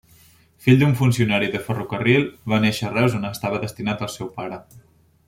Fill d'un funcionari de ferrocarril, va néixer a Reus on estava destinat el seu pare.